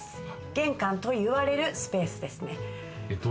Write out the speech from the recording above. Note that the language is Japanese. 玄関と言われるスペースですね。